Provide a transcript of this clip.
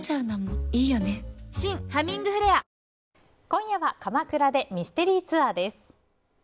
今夜は鎌倉でミステリーツアーです。